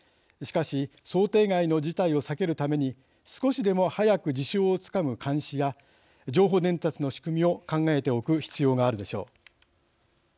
しかし、想定外の事態を避けるために少しでも早く事象をつかむ監視や情報伝達の仕組みを考えておく必要があるでしょう。